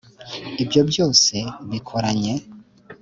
ibyo byose bikoranye